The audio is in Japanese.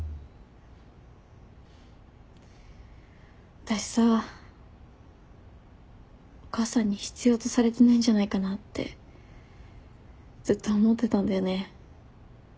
私さお母さんに必要とされてないんじゃないかなってずっと思ってたんだよね。